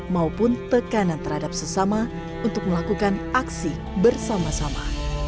maupun tekanan terhadap sesama untuk melakukan aksi bersama sama